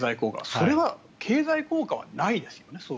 それは経済効果はないですよね。